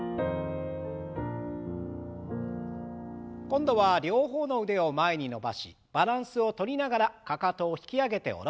今度は両方の腕を前に伸ばしバランスをとりながらかかとを引き上げて下ろす運動。